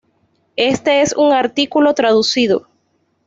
Este es un artículo traducido.